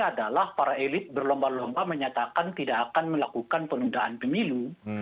adalah para elit berlomba lomba menyatakan tidak akan melakukan penundaan pemilu